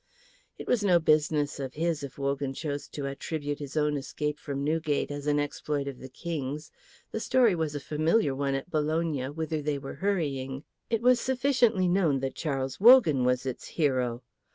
It was no business of his if Wogan chose to attribute his own escape from Newgate as an exploit of the King's. The story was a familiar one at Bologna, whither they were hurrying; it was sufficiently known that Charles Wogan was its hero.